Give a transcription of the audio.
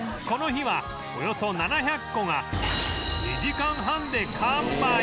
この日はおよそ７００個が２時間半で完売